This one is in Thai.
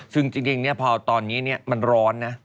ซึ่งจริงเนี่ยพอตอนนี้เนี่ยมันร้อนนะ